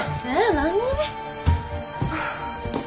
何？